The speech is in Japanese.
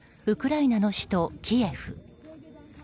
ウクライナの首都キエフ。